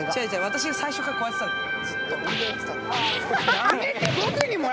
私が最初からこうやってたんだよ。